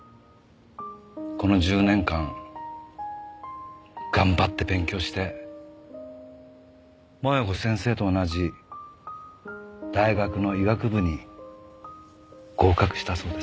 この１０年間頑張って勉強して麻弥子先生と同じ大学の医学部に合格したそうです。